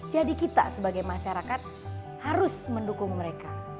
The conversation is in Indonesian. jadi kita sebagai masyarakat harus mendukung mereka